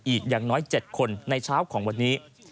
อีกอย่างน้อย๗คนในเช้าของวันนี้